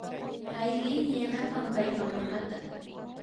Aylin yanapan paypa mamata